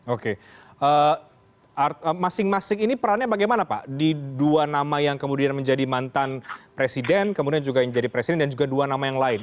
oke masing masing ini perannya bagaimana pak di dua nama yang kemudian menjadi mantan presiden kemudian juga yang jadi presiden dan juga dua nama yang lain